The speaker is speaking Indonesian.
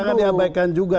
jangan diabaikan juga